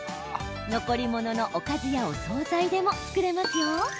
残り物のおかずやお総菜でも作れますよ。